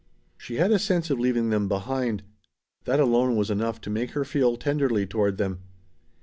She had a sense of leaving them behind. That alone was enough to make her feel tenderly toward them.